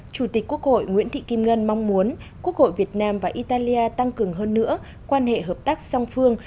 chủ tịch quốc hội nguyễn thị kim ngân mong muốn quốc hội việt nam và italia tăng cường hơn nữa quan hệ hợp tác song phương